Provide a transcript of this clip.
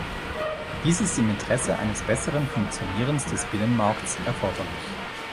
Dies ist im Interesse eines besseren Funktionierens des Binnenmarkts erforderlich.